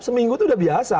seminggu itu sudah biasa